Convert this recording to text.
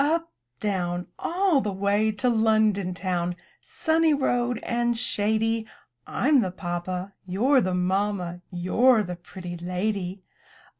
Up, down! All the way to London town — Sunny road and shady. Fm the papa, You're the ma'ma. You're the pretty lady!